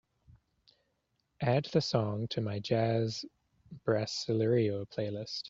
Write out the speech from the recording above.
Add the song to my jazz brasileiro playlist.